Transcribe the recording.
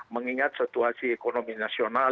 mengingat situasi ekonomi nasional